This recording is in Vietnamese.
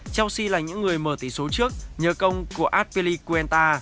chelsea là những người mở tỷ số trước nhờ công của azpilicuenta